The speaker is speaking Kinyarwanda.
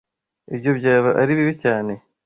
Ibyo byaba ari bibi cyane.